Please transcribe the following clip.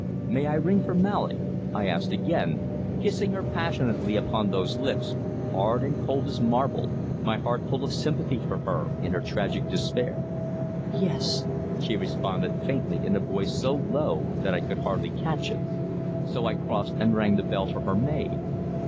May I ring for Mallock?" I asked, again kissing her passionately upon those lips, hard and cold as marble, my heart full of sympathy for her in her tragic despair. "Yes," she responded faintly in a voice so low that I could hardly catch it. So I crossed and rang the bell for her maid.